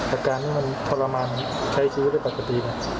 อาการนี้มันทรมานใช้ชีวิตได้ปกติ